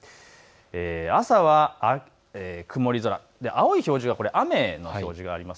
朝は曇り空、青い表示、雨の表示があります。